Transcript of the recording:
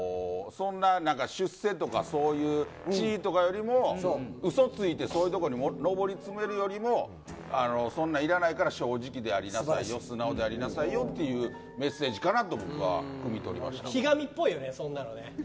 出世とかそういう地位とかよりも嘘ついて、そういうところに上り詰めるよりもそんなんいらないから正直でありなさいよ素直でありなさいよというメッセージじゃないかなとひがみっぽいよね。